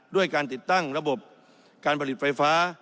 ด้วยการติดตั้งระบบการผลิตไฟฟ้า